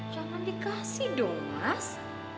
jangan dikasih dong mas